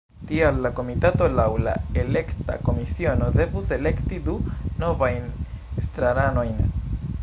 Tial la komitato laŭ la elekta komisiono devus elekti du novajn estraranojn.